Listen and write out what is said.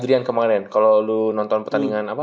ya enam game pertama